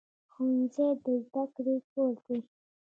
ښوونځی د زده کړې کور دی